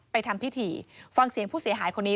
ทำพิธีฟังเสียงผู้เสียหายคนนี้